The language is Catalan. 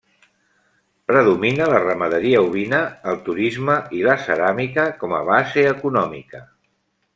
Predomina la ramaderia ovina, el turisme i la ceràmica com a base econòmica.